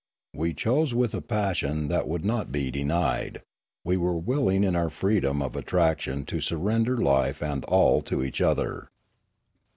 We chose with a passion that would not be denied; we were willing in our freedom of attraction to surrender life and all to each other.